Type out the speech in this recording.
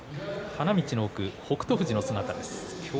花道の奥、北勝富士です。